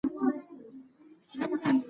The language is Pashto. خیر محمد د اختر لپاره پیسې ټولولې.